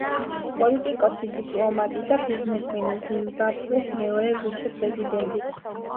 პოლიტიკოსი, დიპლომატი და ბიზნესმენი, ზიმბაბვეს მეორე ვიცე-პრეზიდენტი.